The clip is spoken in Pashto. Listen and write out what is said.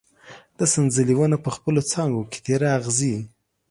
د سنځلې ونه په خپلو څانګو کې تېره اغزي